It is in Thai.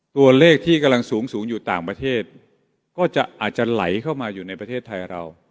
ตัวเลขที่กำลังสูงสูงอยู่ต่างประเทศก็จะอาจจะไหลเข้ามาอยู่ในประเทศไทยเรา